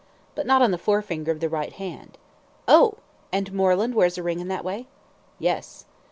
"But not on the forefinger of the right hand." "Oh! And Moreland wears a ring in that way?" "Yes!"